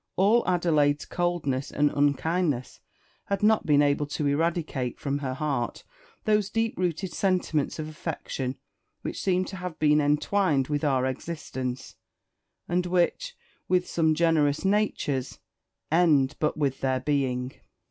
All Adelaide's coldness and unkindness had not been able to eradicate from her heart those deep rooted sentiments of affection which seem to have been entwined with our existence, and which, with some generous natures, end but with their being.